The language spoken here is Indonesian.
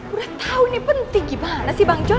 udah tau nih penting uncle gimana sih bang john